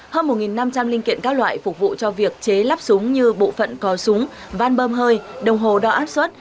hơn một năm trăm linh linh kiện các loại phục vụ cho việc chế lắp súng như bộ phận cò súng van bơm hơi đồng hồ đo áp suất